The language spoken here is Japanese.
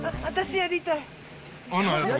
私やりたい。